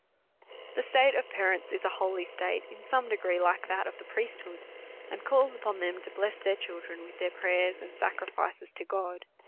The state of parents is a holy state, in some degree like that of the priesthood, and calls upon them to bless their children with their prayers and sacrifices to God.